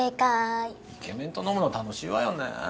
イケメンと飲むの楽しいわよねぇ。